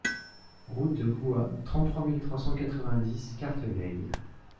Route de Gouas, trente-trois mille trois cent quatre-vingt-dix Cartelègue